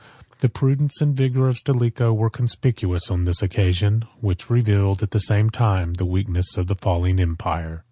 The prudence and vigor of Stilicho were conspicuous on this occasion, which revealed, at the same time, the weakness of the falling empire.